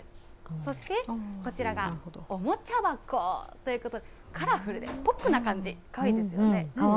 そして、こちらがおもちゃ箱ということで、カラフルでポップな感じ、かわいいですよね。